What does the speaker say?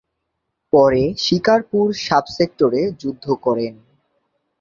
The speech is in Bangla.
পরে শিকারপুর সাব সেক্টরে যুদ্ধ করেন।